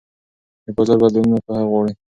د بازار بدلونونه پوهه غواړي.